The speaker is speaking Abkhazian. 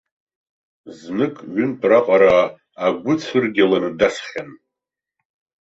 Знык-ҩынтә раҟара агәыцә ыргьаланы дасхьан.